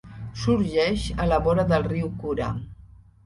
Sorgeix a la vora del riu Kura.